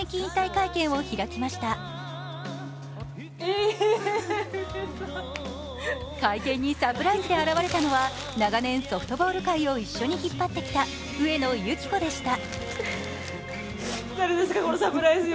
会見にサプライズで現れたのは、長年ソフトボール界を一緒に引っ張ってきた上野由岐子でした。